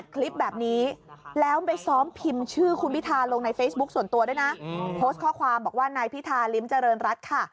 คลิปแบบนี้แล้วไปซ้อมพิมพ์ชื่อคุณพิธาลงในเฟซบุ๊คส่วนตัวด้วยนะโพสต์ข้อความบอกว่านายพิธาริมเจริญรัฐค่ะ